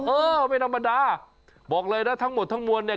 เออไม่ธรรมดาบอกเลยนะทั้งหมดทั้งมวลเนี่ย